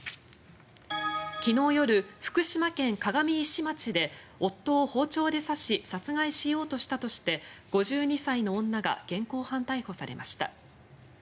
昨日夜、福島県鏡石町で夫を包丁で刺し殺害しようとしたとして５２歳の女が現行犯逮捕されました。